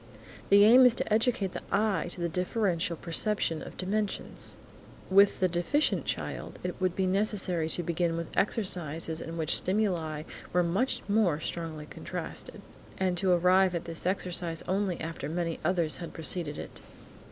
The aim is to educate the eye to the differential perception of dimensions. With the deficient child, it would be necessary to begin with exercises in which the stimuli were much more strongly contrasted, and to arrive at this exercise only after many others had preceded it.